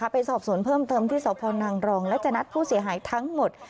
ไปสอบสวนเพิ่มเติมที่สพนังรองและจะนัดผู้เสียหายทั้งหมด